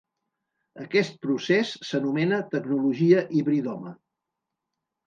Aquest procés s'anomena tecnologia hibridoma.